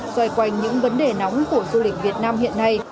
xoay quanh những vấn đề nóng của du lịch việt nam hiện nay